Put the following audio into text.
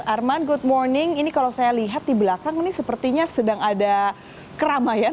arman good morning ini kalau saya lihat di belakang ini sepertinya sedang ada keramaian